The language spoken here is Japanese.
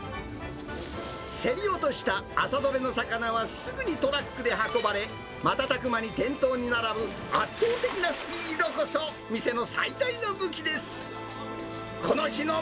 競り落とした朝どれの魚はすぐにトラックで運ばれ、瞬く間に店頭に並ぶ圧倒的なスピードこそ店の最大の武器です。